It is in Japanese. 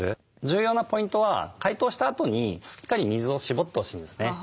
重要なポイントは解凍したあとにしっかり水をしぼってほしいんですね。